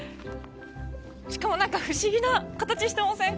しかも、なんか不思議な形してません？